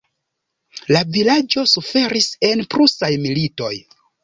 La vilaĝo suferis en Prusaj militoj.